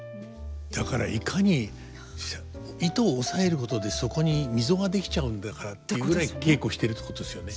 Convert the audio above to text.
だからいかに糸を押さえることでそこに溝が出来ちゃうんだからっていうぐらい稽古してるってことですよね。